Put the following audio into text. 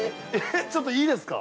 ◆ちょっといいですか。